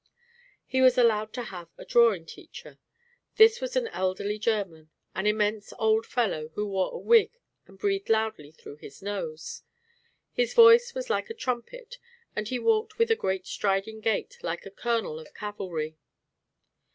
He was allowed to have a drawing teacher. This was an elderly German, an immense old fellow, who wore a wig and breathed loudly through his nose. His voice was like a trumpet and he walked with a great striding gait like a colonel of cavalry.